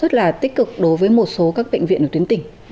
rất là tích cực đối với một số các bệnh viện ở tuyến tỉnh